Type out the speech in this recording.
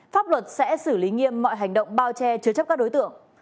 pháp luật sẽ xử lý nghiêm mọi hành động bao che chứa chấp các đối tượng